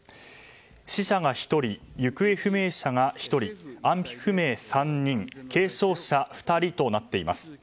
死者が１人、行方不明者が１人安否不明３人軽傷者、２人となっています。